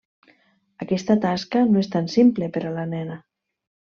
Aquesta tasca no és tan simple per a la nena.